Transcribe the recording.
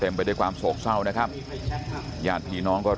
ตรของหอพักที่อยู่ในเหตุการณ์เมื่อวานนี้ตอนค่ำบอกให้ช่วยเรียกตำรวจให้หน่อย